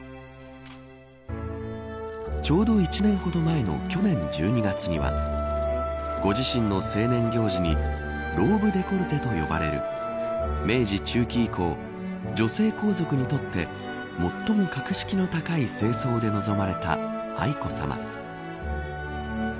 ちょうど１年ほど前の去年１２月にはご自身の成年行事にローブデコルテと呼ばれる明治中期以降、女性皇族にとって最も格式の高い正装で臨まれた愛子さま。